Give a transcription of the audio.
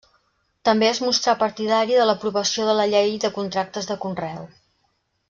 També es mostrà partidari de l'aprovació de la Llei de Contractes de Conreu.